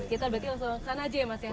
kita berarti langsung ke sana aja ya mas ya